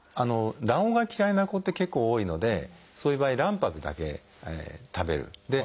卵黄が嫌いな子って結構多いのでそういう場合卵白だけ食べる。